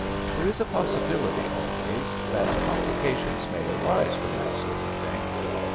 There is a possibility always that complications may arise from that sort of thing.